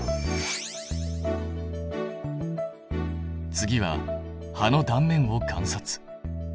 次は葉の断面を観察。